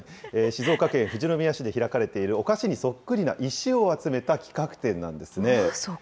静岡県富士宮市で開かれているお菓子にそっくりな石を集めた企画展なんですね。